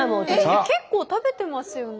結構食べてますよね。